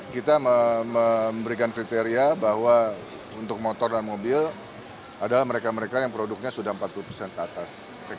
kita memberikan kriteria bahwa untuk motor dan mobil adalah mereka mereka yang produknya sudah empat puluh persen ke atas